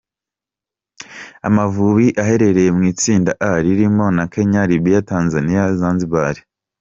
Amavubi aherereye mu itsinda A ririmo na Kenya, Libya, Tanzania, Zanzibar.